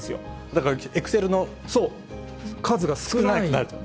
だからエクセルの数が少ない。